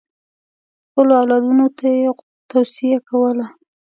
خپلو اولادونو ته یې توصیه کوله.